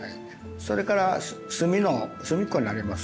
それから隅っこにあります